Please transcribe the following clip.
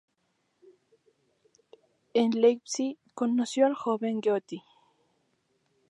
En Leipzig conoció al joven Goethe.